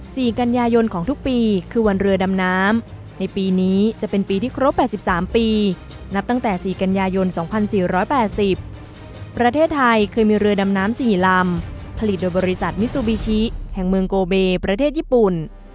สีกัญญาโยนของทุกปีคือวันเรือดำน้ำในปีนี้จะเป็นปีที่ครบ๘๓ปีนับตั้งแต่สีกัญญาโยน๒๔๘๐ประเทศไทยเคยมีเรือดำน้ำสี่ลำผลิตโดยบริษัทมิซูบิชิแห่งเมืองโกเบประเทศญี่ปุ่น